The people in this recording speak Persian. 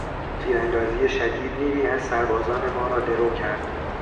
تیراندازی شدید نیمی از سربازان ما را درو کرد.